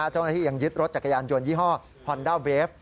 เจ้าหน้าที่ยังยึดรถจักรยานยนยี่ห้อฮอนด้าเวฟ